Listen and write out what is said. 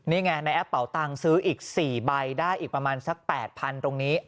นี่ไงในแอปเป่าตังค์ซื้ออีก๔ใบได้อีกประมาณสัก๘๐๐ตรงนี้